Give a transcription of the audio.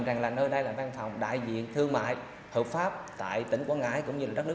rằng là nơi đây là văn phòng đại diện thương mại hợp pháp tại tỉnh quảng ngãi cũng như là đất nước